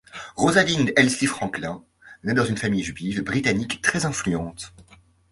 Rosalind Elsie Franklin naît dans une famille juive britannique très influente.